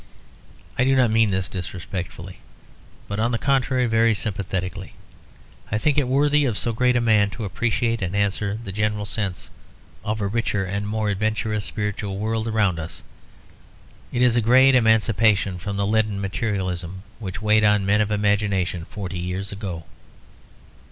I do not mean this disrespectfully, but on the contrary very sympathetically; I think it worthy of so great a man to appreciate and answer the general sense of a richer and more adventurous spiritual world around us. It is a great emancipation from the leaden materialism which weighed on men of imagination forty years ago.